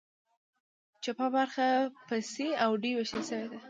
چپه برخه په سي او ډي ویشل شوې ده.